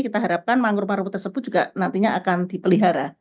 kita harapkan mangrove mangrove tersebut juga nantinya akan dipelihara